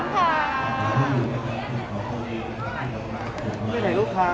ขอบคุณค่ะ